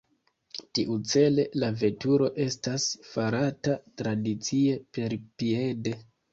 Tiucele la veturo estas farata tradicie perpiede.